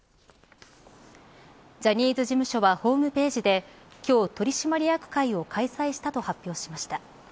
ジャニーズ事務所はホームページで今日取締役会を開催したと発表しました。